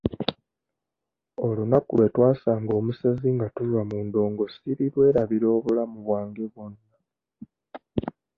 Olunaku lwe twasanga omusezi nga tuva mu ndongo sirirwerabira obulamu bwange bwonna.